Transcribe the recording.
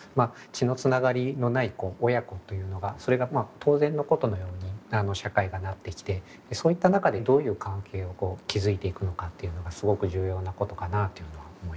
血のつながりのない子親子というのがそれが当然のことのように社会がなってきてそういった中でどういう関係を築いていくのかっていうのがすごく重要なことかなというのは思いますよね。